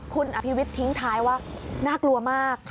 คุณอภิวิตทิ้งท้ายว่าน่ากลัวมาก